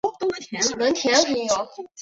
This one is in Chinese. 火鸡肉大多都经过食品加工。